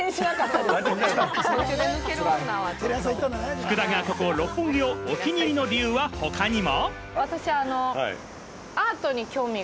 福田がここ六本木をお気に入りな理由は他にも。